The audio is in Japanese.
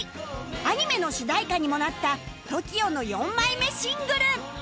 アニメの主題歌にもなった ＴＯＫＩＯ の４枚目シングル